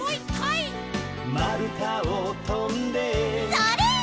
それ！